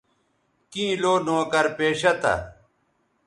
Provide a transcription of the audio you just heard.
کیں لو نوکر پیشہ تھا